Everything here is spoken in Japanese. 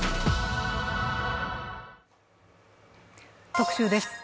特集です。